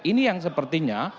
ini yang sepertinya